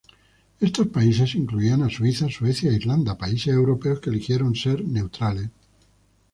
Estos países incluían a Suiza, Suecia e Irlanda, países europeos que eligieron ser neutrales.